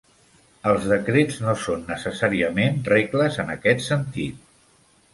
Els decrets no són necessàriament regles en aquest sentit.